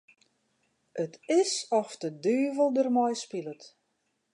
It is oft de duvel dermei spilet.